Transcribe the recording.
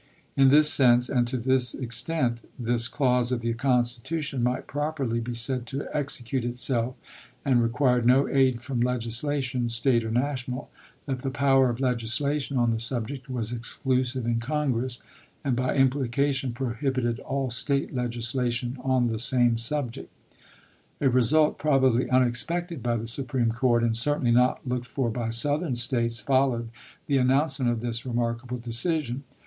In this sense, and to this extent, this clause of the Constitution might properly be said to execute itself, and required no aid from „. 7 A Prigs vs. legislation, State or national; that the power of ,u^newCe°a™"h legislation on the subject was exclusive in Con ^nla?8™" gress, and by implication prohibited all State legis FmItS' lation on the same subject. A result probably unexpected by the Supreme Court, and certainly not looked for by Southern States, followed the announcement of this remark able decision.